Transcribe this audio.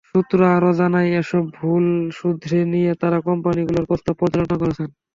সূত্র আরও জানায়, এসব ভুল শুধরে নিয়ে তাঁরা কোম্পানিগুলোর প্রস্তাব পর্যালোচনা করছেন।